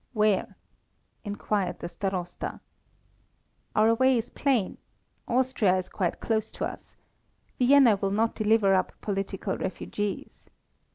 "Where?" inquired the Starosta. "Our way is plain. Austria is quite close to us. Vienna will not deliver up political refugees.